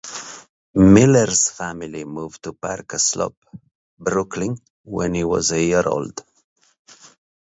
Miller's family moved to Park Slope, Brooklyn when he was a year old.